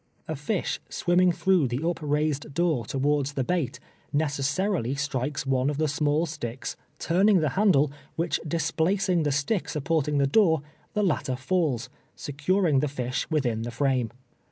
A fish swimming through the npraised door towards the bait, necessarily strikes one of the small sticks turning the handle, which dis placing the stick supporting the door, the latter falls, securing the fish within the frame.